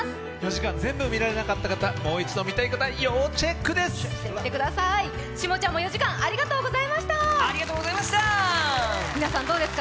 ４時間全部見られなかった方、もう一度見たい方、要チェックです。